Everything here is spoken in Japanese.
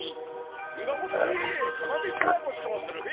んだもってかまめしばごちそうするべ。